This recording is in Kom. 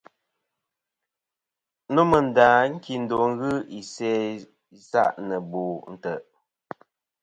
Nomɨ nda a kindo ghɨ isæ isa' nɨ bo ntè'.